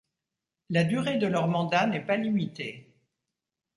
La durée de leur mandat n’est pas limitée.